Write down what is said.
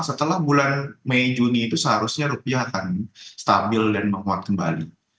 setelah bulan mei juni itu seharusnya rupiah akan stabil dan menguat kembali